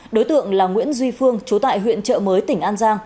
đối tượng là nguyễn duy phương chú tại huyện trợ mới tỉnh an giang